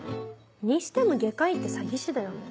にしても外科医って詐欺師だよね。